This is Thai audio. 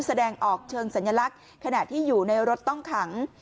แสดงออกเชิงสัญลักษณ์ขณะที่อยู่ในรถต้องขัง